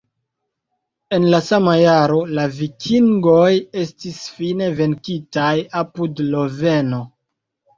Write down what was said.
En la sama jaro, la vikingoj estis fine venkitaj apud Loveno.